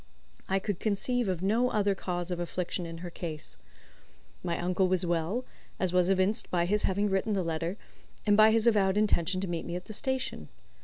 I could conceive of no other cause of affliction in her case. My uncle was well, as was evinced by his having written the letter, and by his avowed intention to meet me at the station.